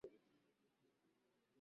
Tangu mwaka elfu moja mia nane tisini